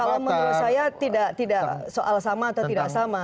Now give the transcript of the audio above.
kalau menurut saya tidak soal sama atau tidak sama